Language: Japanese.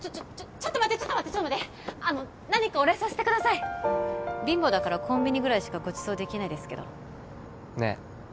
ちょっと待ってちょっと待ってちょっと待ってあの何かお礼させてください貧乏だからコンビニぐらいしかごちそうできないですけどねえ